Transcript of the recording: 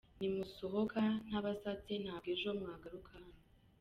Ntimusohoka ntabasatse, ntabwo ejo mwagaruka hano.